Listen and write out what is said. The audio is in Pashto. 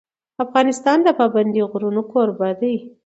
افغانستان د پابندی غرونه کوربه دی.